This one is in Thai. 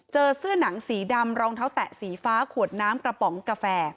เสื้อหนังสีดำรองเท้าแตะสีฟ้าขวดน้ำกระป๋องกาแฟ